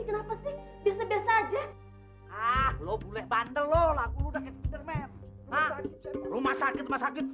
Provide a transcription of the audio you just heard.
kenapa sih biasa biasa aja ah lo bule bandel lo lagu udah kejerman rumah sakit sakit